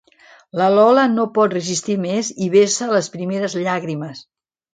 La Lola no ho pot resistir més i vessa les primeres llàgrimes.